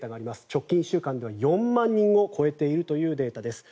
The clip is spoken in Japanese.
直近１週間では４万人を超えているというデータです。